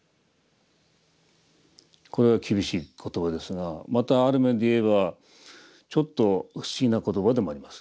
これは厳しい言葉ですがまたある面で言えばちょっと不思議な言葉でもあります。